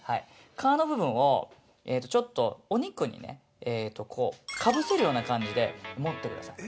皮の部分をお肉にかぶせるような感じで持ってください。